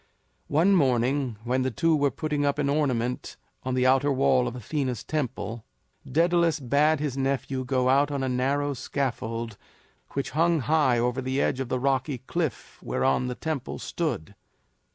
One morning when the two were putting up an ornament on the outer wall of Athena's temple, Daedalus bade his nephew go out on a narrow scaffold which hung high over the edge of the rocky cliff whereon the temple stood.